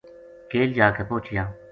کیل جا کے پوہچیا